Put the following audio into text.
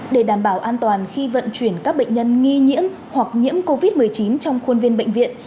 để đảm bảo an toàn khi vận chuyển các bệnh nhân nghi nhiễm hoặc nhiễm covid một mươi chín trong khuôn viên bệnh viện